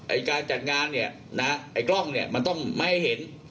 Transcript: การจัดงานเนี่ยนะไอ้กล้องเนี่ยมันต้องไม่ให้เห็น